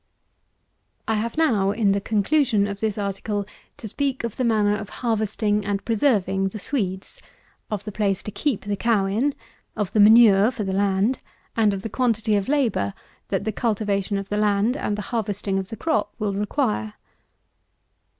_) 129. I have now, in the conclusion of this article, to speak of the manner of harvesting and preserving the Swedes; of the place to keep the cow in; of the manure for the land; and of the quantity of labour that the cultivation of the land and the harvesting of the crop will require.